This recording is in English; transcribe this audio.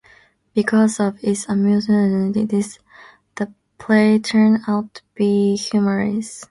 Because of its amateurishness, the play turns out to be humorous.